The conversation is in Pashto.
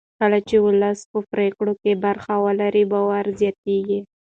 کله چې ولس په پرېکړو کې برخه ولري باور زیاتېږي